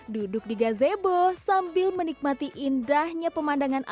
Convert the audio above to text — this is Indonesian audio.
duduk di gantungan